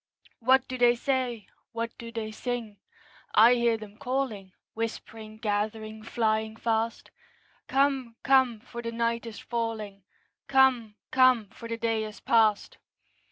What do they say? What do they sing? I hear them calling, Whispering, gathering, flying fast, 'Come, come, for the night is falling; Come, come, for the day is past!'